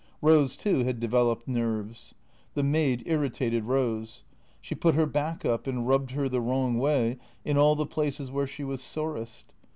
Eose, too, had developed nerves. The maid irritated Eose. She put her back up and rubbed her the wrong way in all the places where she was sorest.